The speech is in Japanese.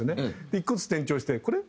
１個ずつ転調して「これ？」